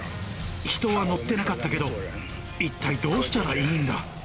人は乗ってなかったけど、一体どうしたらいいんだ。